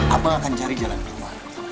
apel akan cari jalan keluar